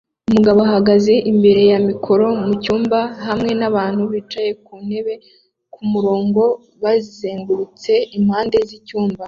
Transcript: Umugabo ahagaze imbere ya mikoro mucyumba hamwe n'abantu bicaye ku ntebe ku murongo bazengurutse impande z'icyumba